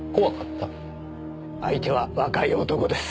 相手は若い男です。